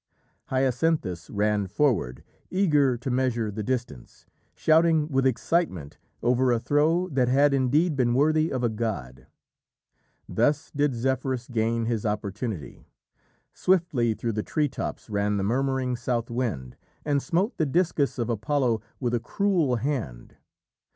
Hyacinthus ran forward eager to measure the distance, shouting with excitement over a throw that had indeed been worthy of a god. Thus did Zephyrus gain his opportunity. Swiftly through the tree tops ran the murmuring South Wind, and smote the discus of Apollo with a cruel hand.